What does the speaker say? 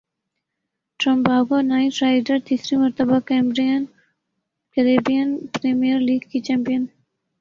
Trinbago Knight Riders تیسری مرتبہ Caribbean Premier League کی چیمپیئن